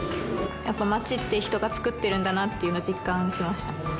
やっぱり町って人がつくっているんだなっていうのを実感しました。